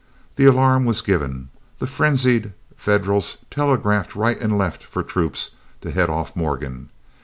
The alarm was given. The frenzied Federals telegraphed right and left for troops to head off Morgan.